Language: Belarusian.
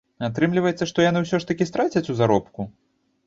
Атрымліваецца, што яны ўсё ж такі страцяць у заробку?